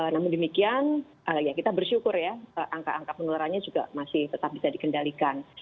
namun demikian kita bersyukur ya angka angka penularannya juga masih tetap bisa dikendalikan